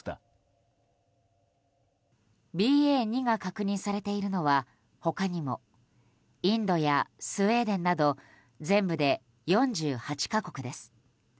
ＢＡ．２が確認されているのは他にもインドやスウェーデンなど全部で４８か国です。